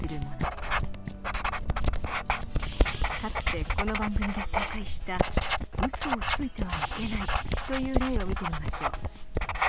かつてこの番組で紹介した「嘘をついてはいけない」という例を見てみましょう。